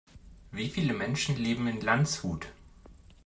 Wie viele Menschen leben in Landshut?